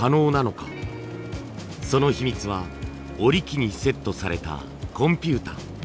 その秘密は織機にセットされたコンピューター。